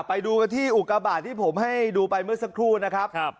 ไปดูกันที่อุกาบาทที่ผมให้ดูไปเมื่อสักครู่นะครับ